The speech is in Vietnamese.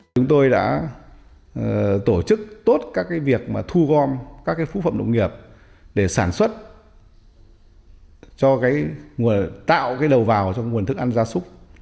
chúng tôi đã tổ chức tốt các việc thu gom các phụ phẩm nông nghiệp để sản xuất tạo đầu vào cho nguồn thức ăn gia súc